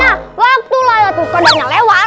nah waktu laya tukau datangnya lewat